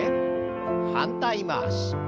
反対回し。